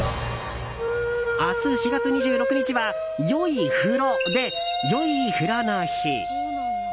明日４月２６日は「よいふろ」で、よい風呂の日。